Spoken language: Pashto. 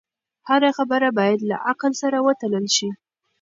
هره خبره باید له عقل سره وتلل شي.